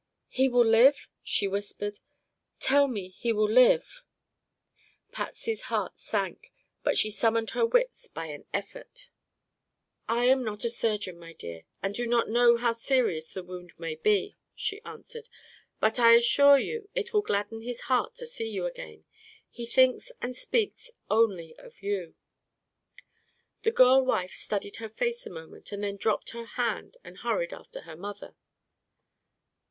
"He will live?" she whispered. "Tell me he will live!" Patsy's heart sank, but she summoned her wits by an effort. "I am not a surgeon, my dear, and do not know how serious the wound may be," she answered, "but I assure you it will gladden his heart to see you again. He thinks and speaks only of you." The girl wife studied her face a moment and then dropped her hand and hurried after her mother.